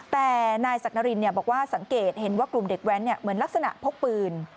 แต่นายสักนารินบอกว่าสังเกตเห็นว่ากลุ่มเด็กแว้นเหมือนลักษณะพกปืน